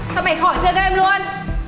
cho mày khỏi chơi game luôn